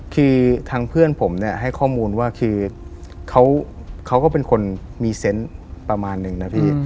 คือทางเพื่อนผมเนี่ยให้ข้อมูลว่าคือเขาก็เป็นคนมีเซนต์ประมาณนึงนะพี่